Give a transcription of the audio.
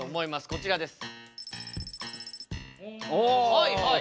はいはい。